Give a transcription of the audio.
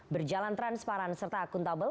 berjalan transparan serta akuntabel